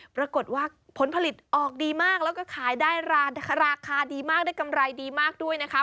ปรากฏว่าผลผลิตออกดีมากแล้วก็ขายได้ราคาดีมากได้กำไรดีมากด้วยนะคะ